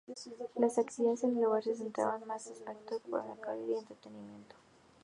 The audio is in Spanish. Las actividades en el lugar se centraban más en aspectos protocolarios y de entretenimiento.